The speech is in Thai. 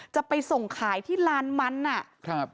จะไปส่งขายที่ลานมันอ่ะครับ